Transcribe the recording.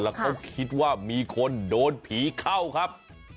แล้วเขาคิดว่ามีคนโดนผีเข้าครับ